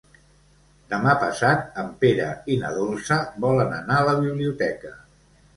Demà passat en Pere i na Dolça volen anar a la biblioteca.